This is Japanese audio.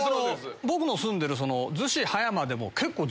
僕の住んでる。